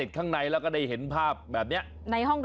ข้างในแล้วก็ได้เห็นภาพแบบนี้